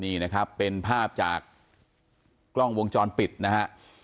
นี่นะครับเป็นภาพจากกล้องวงจรปิดนะฮะ